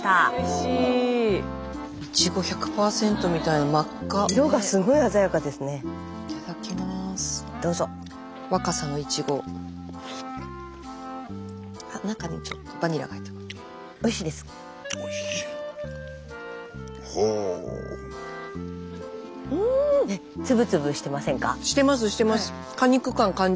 してますしてます。